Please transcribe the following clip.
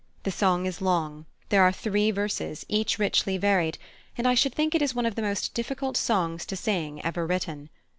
The song is long; there are three verses, each richly varied, and I should think it is one of the most difficult songs to sing ever written.